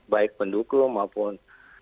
baik mendukung maupun